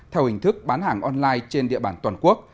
theo hình thức bán hàng online trên địa bàn toàn quốc